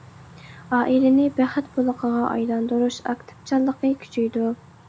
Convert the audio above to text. ئائىلىنى بەخت بۇلىقىغا ئايلاندۇرۇش ئاكتىپچانلىقى كۈچىيىدۇ.